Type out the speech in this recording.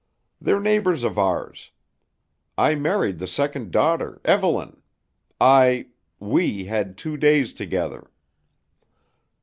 They're neighbors of ours. I married the second daughter, Evelyn. I we had two days together."